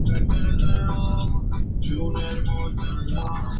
La canción "Nothing For Me Here" Está en como una canción desbloqueable.